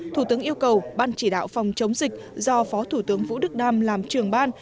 thủ tướng yêu cầu ban chỉ đạo phòng chống dịch do phó thủ tướng vũ đức đam làm trường ban